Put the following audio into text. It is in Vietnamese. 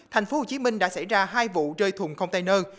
tp hcm đã xảy ra hai vụ rơi thùng container